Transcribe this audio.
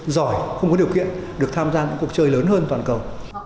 giỏi không có điều kiện được tham gia những cuộc chơi lớn hơn toàn cầu